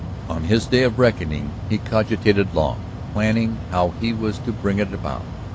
On his day of reckoning he cogitated long, planning how he was to bring it about.